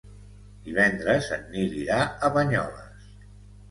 Divendres en Nil irà a Banyoles.